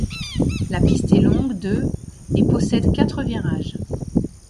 La piste est longue de et possède quatre virages.